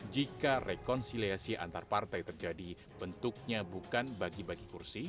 jika rekonsiliasi antar partai terjadi bentuknya bukan bagi bagi kursi